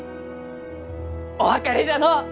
お別れじゃのう！